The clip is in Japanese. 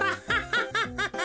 ハハハハ。